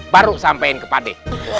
baru sampein ke pade